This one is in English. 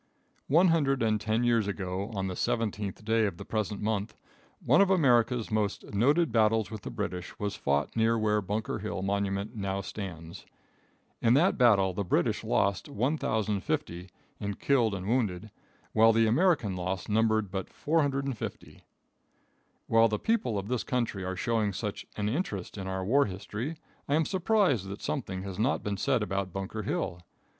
One hundred and ten years ago, on the 17th day of the present month, one of America's most noted battles with the British was fought near where Bunker Hill monument now stands. In that battle the British lost 1,050 in killed and wounded, while the American loss numbered but 450. While the people of this country are showing such an interest in our war history, I am surprised that something has not been said about Bunker Hill.